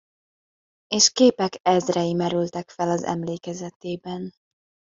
És képek ezrei merültek fel az emlékezetében.